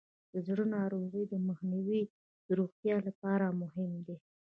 د زړه ناروغیو مخنیوی د روغتیا لپاره مهم دی.